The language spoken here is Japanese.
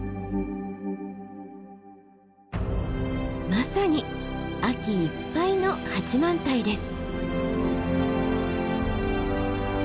まさに秋いっぱいの八幡平です。